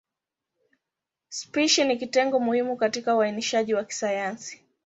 Spishi ni kitengo muhimu katika uainishaji wa kisayansi.